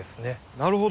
なるほど。